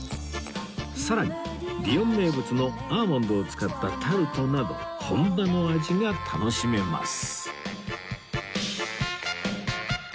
さらにリヨン名物のアーモンドを使ったタルトなど本場の味が楽しめます